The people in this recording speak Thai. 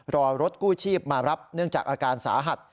รอรถกู้ชีพมารับเนื่องจากอาการสาหัส